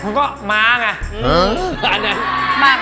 นี่ครับขออนุญาตนะ